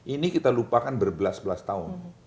ini kita lupakan berbelas belas tahun